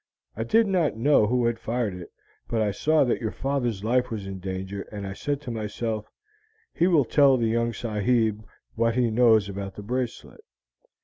I did not know who had fired it, but I saw that your father's life was in danger, and I said to myself, 'He will tell the young sahib what he knows about the bracelet.'